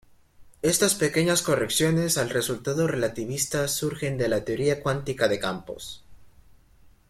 Estas pequeñas correcciones al resultado relativista surgen de la teoría cuántica de campos.